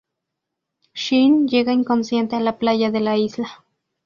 Shin llega inconsciente a la playa de la Isla.